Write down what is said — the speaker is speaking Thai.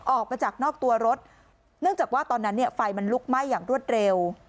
ออกมาจากนอกตัวรถเนื่องจากว่าตอนนั้นเนี่ยไฟมันลุกไหม้อย่างรวดเร็ว